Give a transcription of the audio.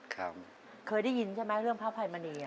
ครับเคยได้ยินใช่ไหมเรื่องภาพัยมณี